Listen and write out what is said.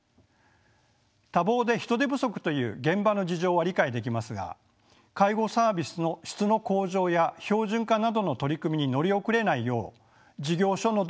多忙で人手不足という現場の事情は理解できますが介護サービスの質の向上や標準化などの取り組みに乗り遅れないよう事業所の努力も必要です。